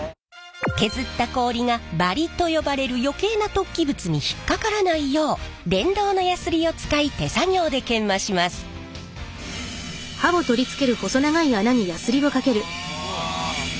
削った氷がバリと呼ばれる余計な突起物に引っ掛からないよう電動のやすりを使い手作業で研磨します。わ！